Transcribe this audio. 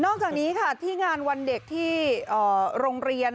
จากนี้ค่ะที่งานวันเด็กที่โรงเรียน